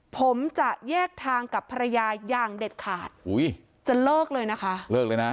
ผมจะแยกทางกับภรรยายางเด็ดขาดจะเลิกเลยนะคะ